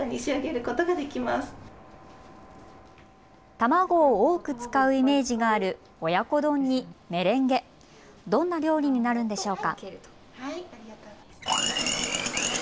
卵を多く使うイメージがある親子丼にメレンゲ、どんな料理になるんでしょうか。